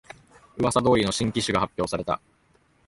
うわさ通りの新機種が発表された